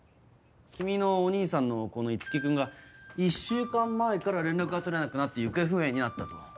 君のお兄さんのこの樹君が１週間前から連絡が取れなくなって行方不明になったと。